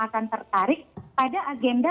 akan tertarik pada agenda